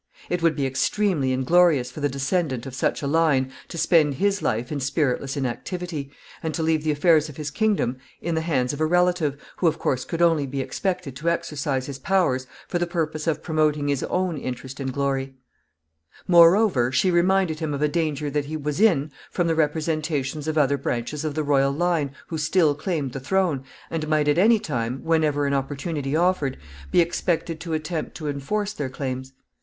It would be extremely inglorious for the descendant of such a line to spend his life in spiritless inactivity, and to leave the affairs of his kingdom in the hands of a relative, who of course could only be expected to exercise his powers for the purpose of promoting his own interest and glory. [Sidenote: Anne.] [Sidenote: House of York.] Moreover, she reminded him of a danger that he was in from the representations of other branches of the royal line who still claimed the throne, and might at any time, whenever an opportunity offered, be expected to attempt to enforce their claims.